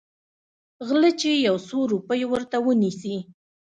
غله چې يو څو روپۍ ورته ونيسي.